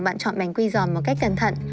bạn chọn bánh quy giòn một cách cẩn thận